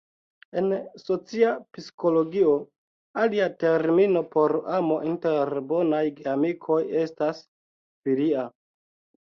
En socia psikologio, alia termino por amo inter bonaj geamikoj estas "filia".